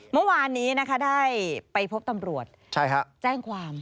เมื่อวานนี้นะคะได้ไปพบตำรวจแจ้งความ